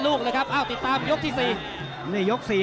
แล้วทีมงานน่าสื่อ